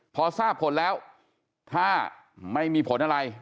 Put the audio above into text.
พอทราบผลแล้วถ้าไม่มีผลอะไร